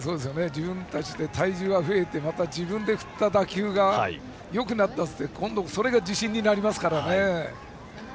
自分たちで体重が増えてまた自分で振った打球がよくなったって今度はそれが自信になりますから。